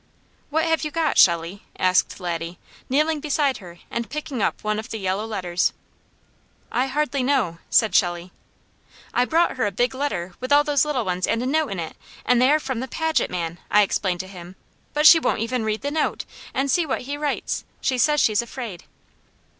"What have you got, Shelley?" asked Laddie, kneeling beside her, and picking up one of the yellow letters. "I hardly know," said Shelley. "I brought her a big letter with all those little ones and a note in it, and they are from the Paget man," I explained to him. "But she won't even read the note, and see what he writes. She says she's afraid."